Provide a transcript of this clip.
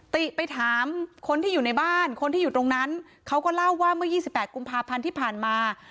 ติไปถามคนที่อยู่ในบ้านคนที่อยู่ตรงนั้นเขาก็เล่าว่าเมื่อ๒๘กุมภาพันธ์ที่ผ่านมา